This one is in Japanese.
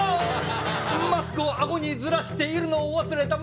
マスクをアゴにズラしているのを忘れた